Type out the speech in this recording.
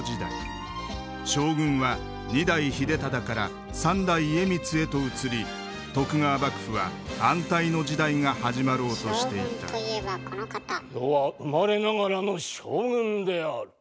将軍は二代秀忠から三代家光へとうつり徳川幕府は安泰の時代が始まろうとしていた余は生まれながらの将軍である。